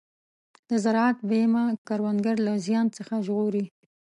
د زراعت بیمه کروندګر له زیان څخه ژغوري.